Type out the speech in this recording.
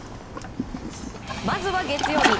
まずは月曜日